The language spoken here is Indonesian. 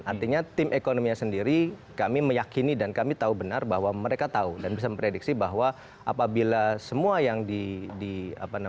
artinya tim ekonominya sendiri kami meyakini dan kami tahu benar bahwa mereka tahu dan bisa memprediksi bahwa apabila semua yang di apa namanya